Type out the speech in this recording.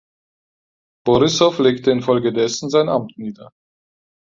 Borissow legte infolgedessen sein Amt nieder.